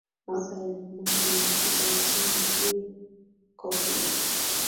mwaka elfu moja mia tisa hamsini na mbili Koplo